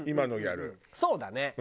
そうだね。